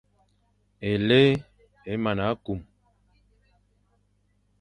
Éli é mana kum.